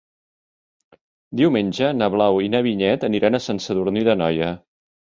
Diumenge na Blau i na Vinyet aniran a Sant Sadurní d'Anoia.